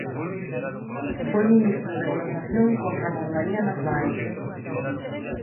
Foi Ministro de Gobernación con Ramón María Narváez.